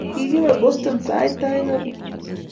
Kigibe Boston sait aeng amut